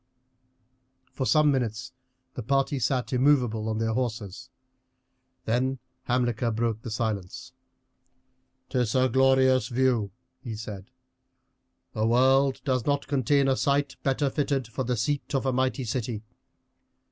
For some minutes the party sat immovable on their horses, then Hamilcar broke the silence: "'Tis a glorious view," he said; "the world does not contain a site better fitted for the seat of a mighty city.